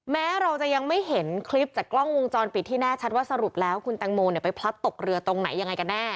แม้เราจะยังไม่เห็นคลิปจากกล้องวงจรปิดที่แน่ชัดว่าสรุปแล้วคุณแตงโมไปพลัดตกเรือตรงไหนยังไงกันแน่